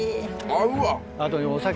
合うわ。